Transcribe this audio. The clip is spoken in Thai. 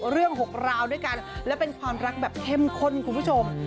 ๖ราวด้วยกันและเป็นความรักแบบเข้มข้นคุณผู้ชม